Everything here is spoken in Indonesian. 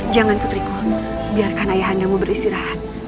jangan putriku biarkan ayah anda mau beristirahat